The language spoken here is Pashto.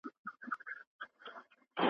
هغه غواړي نا مناسبه نجلۍ ونه ټاکي.